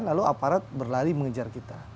lalu aparat berlari